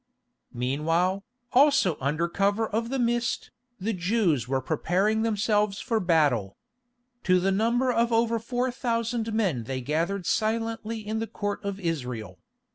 Meanwhile, also under cover of the mist, the Jews were preparing themselves for battle. To the number of over four thousand men they gathered silently in the Court of Israel.